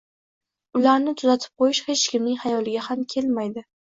ularni tuzatib qo‘yish hech kimning xayoliga ham kelmaydi.